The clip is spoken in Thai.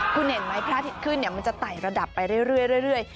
คุณเห็นไหมพระอาทิตย์ขึ้นมันจะไต่ระดับไปเรื่อย